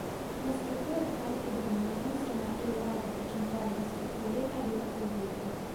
La struttura di tali fibrille mostra una elevata percentuale di strutture a beta foglietto.